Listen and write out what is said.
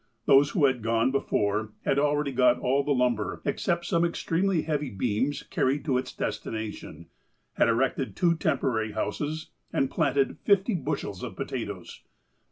Those who had gone before had already got all the luihber, except some extremely heavy beams, carried to its destination, had erected two tem porary houses, and planted fifty bushels of potatoes.